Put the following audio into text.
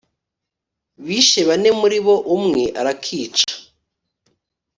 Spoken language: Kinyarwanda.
Bishe bane muri bo umwe arakica